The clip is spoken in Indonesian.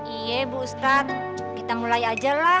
iya bu ustadz kita mulai aja lah